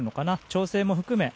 調整も含め。